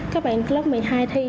các bạn lớp một mươi hai thi